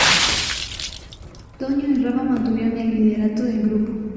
Toño y Rafa mantuvieron el liderato del grupo.